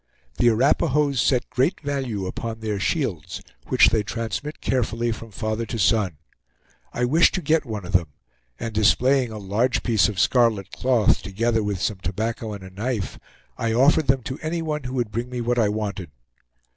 The Arapahoes set great value upon their shields, which they transmit carefully from father to son. I wished to get one of them; and displaying a large piece of scarlet cloth, together with some tobacco and a knife, I offered them to any one who would bring me what I wanted.